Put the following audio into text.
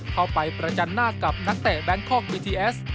เข้าไปประจันทร์หน้ากับนักเตะแบงคอกวิทีเอส